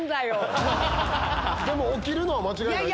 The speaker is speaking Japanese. でも起きるのは間違いないです。